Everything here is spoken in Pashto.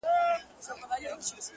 والوتل خوبونه تعبیرونو ته به څه وایو-